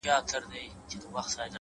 د زنده گۍ ياري كړم ـ